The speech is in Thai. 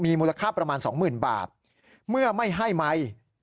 มูลค่าประมาณสองหมื่นบาทเมื่อไม่ให้ไมค์